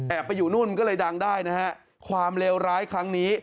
ไปอยู่นู่นก็เลยดังได้นะฮะความเลวร้ายครั้งนี้